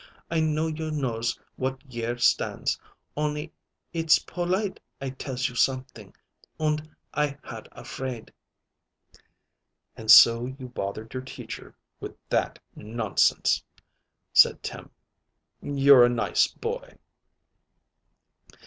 I know you knows what year stands, on'y it's polite I tells you something, und I had a fraid." "And so you bothered your Teacher with that nonsense," said Tim. "You're a nice boy!"